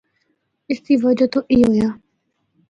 اس دی وجہ تو اے ہویا۔